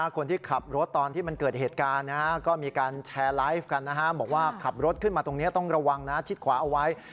คนที่ขับรถตอนที่มันเกิดเหตุการณ์ก็มีการแชร์ไลฟ์กันนะฮะบอกว่าขับรถขึ้นมาตรงนี้ต้องระวังนะชิดขวาเอาไว้